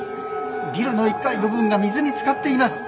ビルの１階部分が水につかっています。